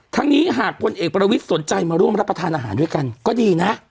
ทั้งนี้หากพลเอกประวิทย์สนใจมาร่วมรับประทานอาหารด้วยกันก็ดีนะ